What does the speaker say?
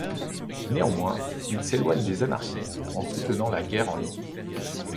Néanmoins, il s'éloigne des anarchistes en soutenant la guerre en Libye.